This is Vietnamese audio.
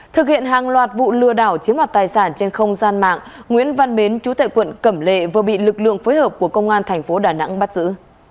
thực hiện hàng loạt vụ lừa đảo chiếm loạt tài sản trên không gian mạng nguyễn văn bến chú tại quận cẩm lệ vừa bị lực lượng phối hợp của công an tp đà nẵng bắt giữ